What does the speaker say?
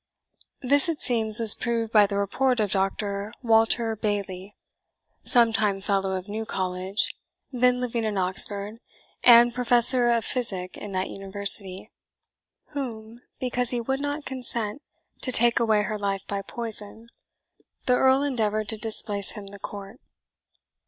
This, it seems, was proved by the report of Dr. Walter Bayly, sometime fellow of New College, then living in Oxford, and professor of physic in that university; whom, because he would not consent to take away her life by poison, the Earl endeavoured to displace him the court.